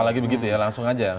lagi begitu ya langsung aja